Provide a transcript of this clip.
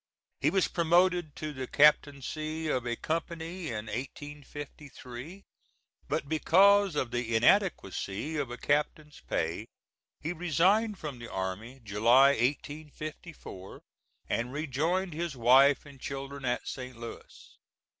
He was promoted to the captaincy of a company in 1853; but because of the inadequacy of a captain's pay, he resigned from the army, July, 1854, and rejoined his wife and children at St. Louis.